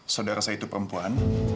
saudara saya itu perempuan